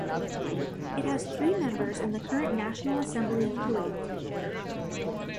It has three members in the current National Assembly of Kuwait.